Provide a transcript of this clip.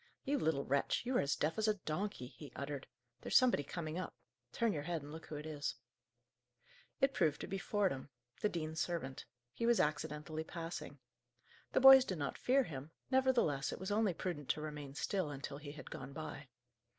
"You little wretch, you are as deaf as a donkey!" he uttered. "There's somebody coming up. Turn your head, and look who it is." It proved to be Fordham, the dean's servant. He was accidentally passing. The boys did not fear him; nevertheless, it was only prudent to remain still, until he had gone by.